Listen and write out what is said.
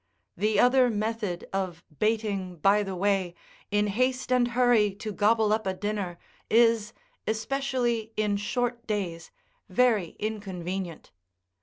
The other method of baiting by the way, in haste and hurry to gobble up a dinner, is, especially in short days, very inconvenient.